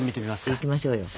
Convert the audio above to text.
いきましょうよ。